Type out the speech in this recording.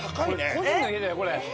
個人の家だよこれ。